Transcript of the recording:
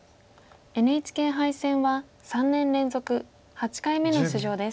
ＮＨＫ杯戦は３年連続８回目の出場です。